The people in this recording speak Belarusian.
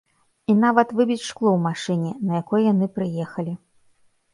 І нават выбіць шкло ў машыне, на якой яны прыехалі.